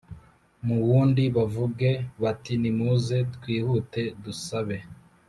mu wundi bavuge bati Nimuze twihute dusabe